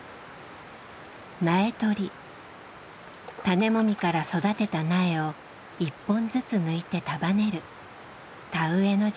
種もみから育てた苗を１本ずつ抜いて束ねる田植えの準備。